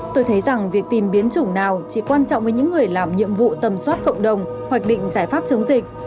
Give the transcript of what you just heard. tôi thấy rằng việc tìm biến chủng nào chỉ quan trọng với những người làm nhiệm vụ tầm soát cộng đồng hoạch định giải pháp chống dịch